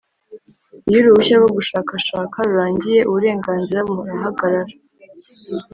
Iyo uruhushya rwo gushakashaka rurangiye uburenganzira burahagarara.